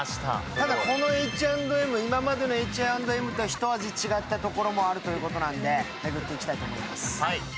ただ、このＨ＆Ｍ、今までのＨ＆Ｍと一味違ったところもあるということなので、巡っていきたいと思います。